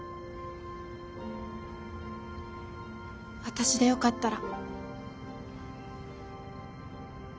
私でよかったら。